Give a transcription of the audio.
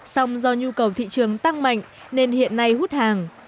song do nhu cầu thị trường tăng mạnh nên hiện nay hút hàng